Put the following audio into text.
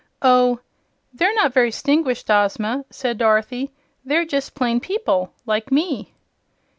"Oh, they're not very 'stinguished, Ozma," said Dorothy. "They're just plain people, like me."